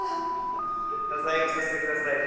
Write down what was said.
謝罪をさせてください。